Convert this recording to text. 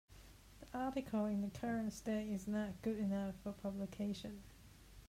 The article in the current state is not good enough for publication.